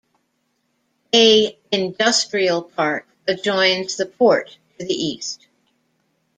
A industrial park adjoins the port to the east.